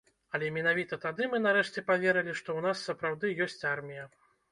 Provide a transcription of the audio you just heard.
Але менавіта тады мы нарэшце паверылі, што ў нас сапраўды ёсць армія.